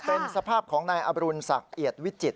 เป็นสภาพของนายอบรุณศักดิ์เอียดวิจิต